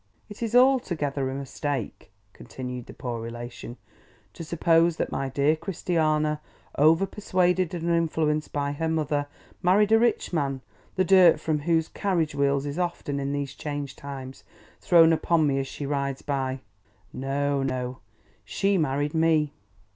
It is altogether a mistake (continued the poor relation) to suppose that my dear Christiana, over persuaded and influenced by her mother, married a rich man, the dirt from whose carriage wheels is often, in these changed times, thrown upon me as she rides by. No, no. She married me.